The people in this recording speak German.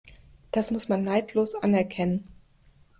Das muss man neidlos anerkennen.